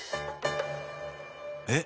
えっ？